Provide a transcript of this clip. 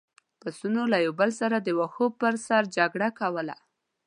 پسونو له یو بل سره د واښو پر سر جګړه کوله.